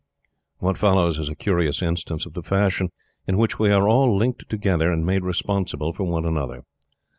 What follows is a curious instance of the fashion in which we are all linked together and made responsible for one another.